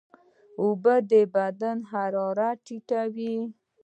اوبه د بدن حرارت ټیټوي.